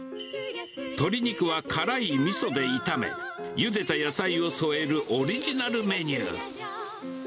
鶏肉は辛いみそで炒め、ゆでた野菜を添えるオリジナルメニュー。